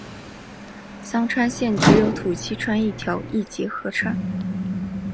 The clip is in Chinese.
香川县只有土器川一条一级河川。